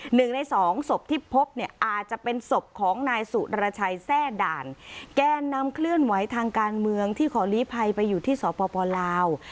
หนึ่งในสองศพที่พบเนี่ยอาจจะเป็นศพของนายสุรชัยแทร่ด่านแกนนำเคลื่อนไหวทางการเมืองที่ขอลีภัยไปอยู่ที่สปลาว